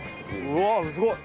うわっすごい！